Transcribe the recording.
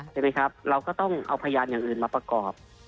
ใช่ไหมครับเราก็ต้องเอาพยานอย่างอื่นมาประกอบ